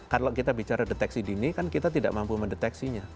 kalau kita bicara deteksi dini kan kita tidak mampu mendeteksinya